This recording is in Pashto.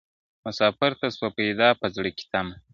• مسافر ته سوه پیدا په زړه کي تمه -